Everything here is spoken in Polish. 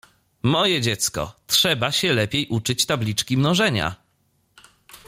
— Moje dziecko, trzeba się lepiej uczyć tabliczki mnożenia.